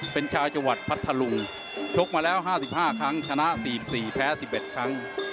เป็นชาวจังหวัดพัทธลุงชกมาแล้ว๕๕ครั้งชนะ๔๔แพ้๑๑ครั้ง